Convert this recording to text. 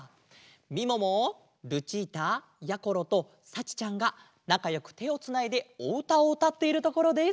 みももルチータやころとさちちゃんがなかよくてをつないでおうたをうたっているところです。